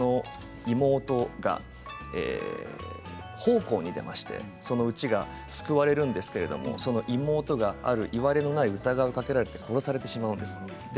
妹が奉公に出ましてそのうちが救われるんですけどその妹があるいわれのない疑いをかけられて殺されてしまうんです。